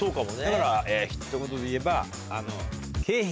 だからえひと言でいえば。